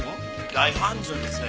大繁盛ですね。